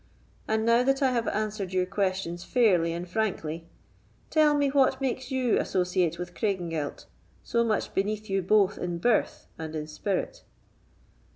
And now that I have answered your questions fairly and frankly, tell me what makes you associate with Craigengelt, so much beneath you both in birth and in spirit?"